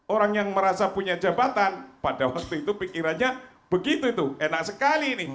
orang yang merasa punya jabatan pada waktu itu pikirannya begitu itu enak sekali ini